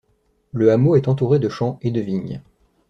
Le hameau est entouré de champs et de vignes.